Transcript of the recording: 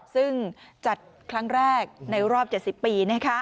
ซึ่งจัดครั้งแรกในรอบ๗๐ปี